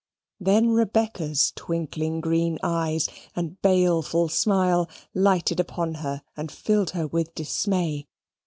Then Rebecca's twinkling green eyes and baleful smile lighted upon her, and filled her with dismay.